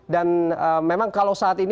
dan memang kalau kita membuat smart sim ini